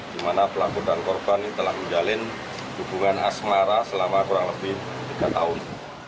di mana pelaku dan korban ini telah menjalin hubungan asmara selama kurang lebih tiga tahun